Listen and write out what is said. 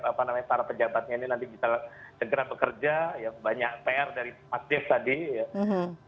apa namanya para pejabatnya ini nanti bisa segera bekerja ya banyak pr dari mas dev tadi ya